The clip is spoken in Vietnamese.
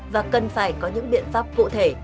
và cần phải có những biện pháp cụ thể